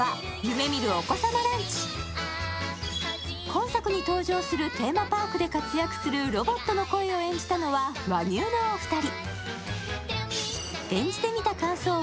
今作に登場するテーマパークで活躍するロボットの声を演じたのは和牛のお二人。